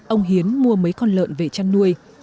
ông hiến mua mấy con lợn về chăn nuôi